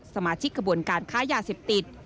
สมาชิกกระบวนการค้ายาเสพติด